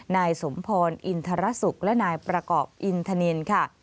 นายสมพรอินทรศุกร์และนายประกอบอินทนินค่ะ